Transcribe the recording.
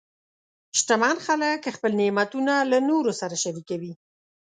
شتمن خلک خپل نعمتونه له نورو سره شریکوي.